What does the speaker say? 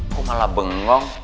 aku malah bengong